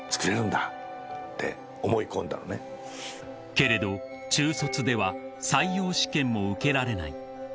［けれど中卒では採用試験も受けられない］